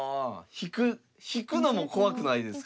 引くのも怖くないですか？